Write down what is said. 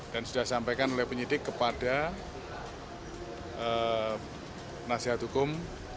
dan sudah disampaikan oleh penyelidik kepada nasihat hukum